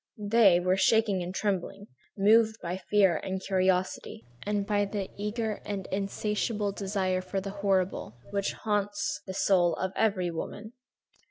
They, were shaking and trembling, moved by fear and curiosity, and by the eager and insatiable desire for the horrible, which haunts the soul of every woman.